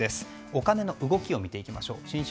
お金の動きを見ていきましょう。